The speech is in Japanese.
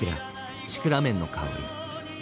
「シクラメンのかほり」